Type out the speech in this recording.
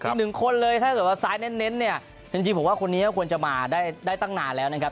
อีกหนึ่งคนเลยถ้าเกิดว่าซ้ายเน้นเนี่ยจริงผมว่าคนนี้ก็ควรจะมาได้ตั้งนานแล้วนะครับ